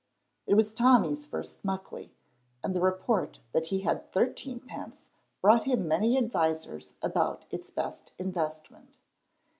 It was Tommy's first Muckley, and the report that he had thirteen pence brought him many advisers about its best investment.